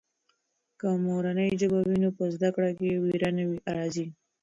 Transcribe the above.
که مورنۍ ژبه وي نو په زده کړه کې وېره نه راځي.